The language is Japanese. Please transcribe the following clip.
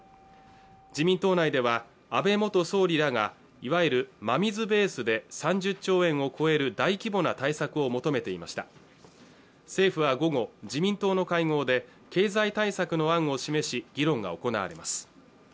自民党内では安倍元総理らがいわゆる真水ベースで３０兆円を超える大規模な対策を求めていました政府は午後自民党の会合で経済対策の案を示し議論が行われます